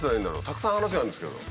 たくさん話があるんですけど。